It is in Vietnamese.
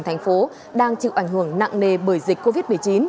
thành phố đang chịu ảnh hưởng nặng nề bởi dịch covid một mươi chín